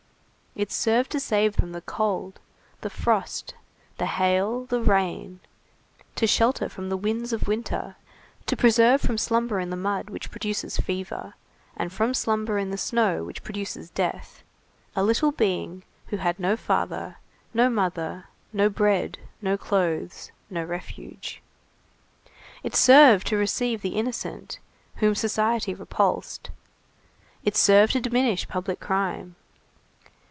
It served to save from the cold, the frost, the hail, and rain, to shelter from the winds of winter, to preserve from slumber in the mud which produces fever, and from slumber in the snow which produces death, a little being who had no father, no mother, no bread, no clothes, no refuge. It served to receive the innocent whom society repulsed. It served to diminish public crime.